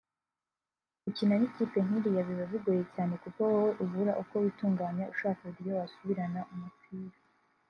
Gukina n’ikipe nk’iriya biba bigoye cyane kuko wowe ubura uko witunganya ushaka uburyo wasubirana umupira